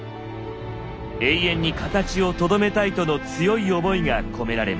永遠に形をとどめたいとの強い思いが込められました。